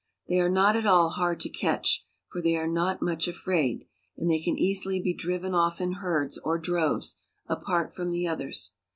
They are not at all hard to catch, for they are not much afraid, and they can easily be driven off in herds or droves, apart from the others.